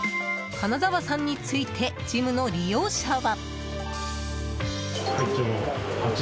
金澤さんについてジムの利用者は。